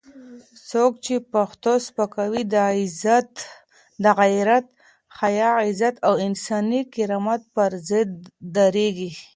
څوک چې پښتو سپکوي، د غیرت، حیا، عزت او انساني کرامت پر ضد درېږي.